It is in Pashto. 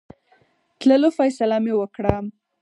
تللو فیصله مې وکړه.